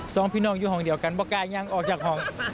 สองพี่น้องอยู่ห้องเดียวกันบอกกายยังออกจากห้อง